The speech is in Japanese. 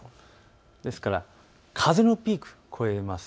ですから風のピークは超えます。